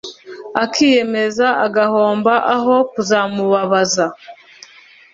akiyemeze agahomba aho kuzamubabaza